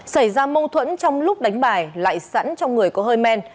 xảy ra mâu thuẫn trong lúc đánh bài lại sẵn trong người có hơi men